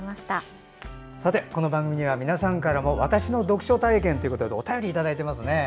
さて、この番組では皆さんからも「わたしの読書体験」でお便りをいただいています。